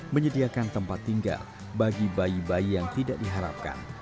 menyediakan tempat tinggal bagi bayi bayi yang tidak diharapkan